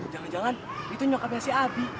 jangan jangan itu nyokapnya si abi